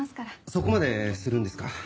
そこまでするんですか。